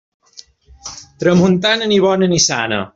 Tramuntana, ni bona ni sana.